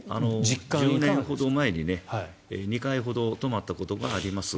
１０年ほど前に２回ほど泊まったことがあります。